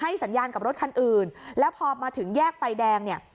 สัญญาณกับรถคันอื่นแล้วพอมาถึงแยกไฟแดงเนี่ย